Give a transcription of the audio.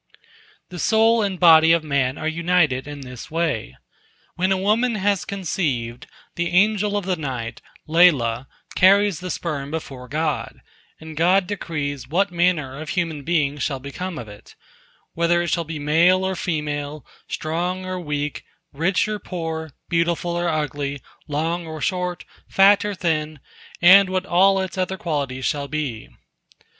The soul and body of man are united in this way: When a woman has conceived, the Angel of the Night, Lailah, carries the sperm before God, and God decrees what manner of human being shall become of it—whether it shall be male or female, strong or weak, rich or poor, beautiful or ugly, long or short, fat or thin, and what all its other qualities shall be.